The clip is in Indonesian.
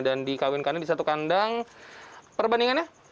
dan dikawinkannya di satu kandang perbandingannya